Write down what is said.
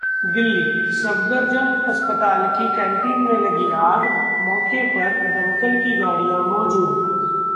दिल्ली: सफदरजंग अस्पताल की कैंटीन में लगी आग, मौके पर दमकल की गाड़ियां मौजूद